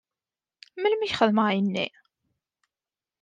Melmi i k-xedmeɣ ayenni?